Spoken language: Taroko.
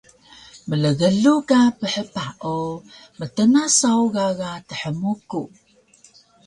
Mlglug ka phpah o mtna saw gaga thmuku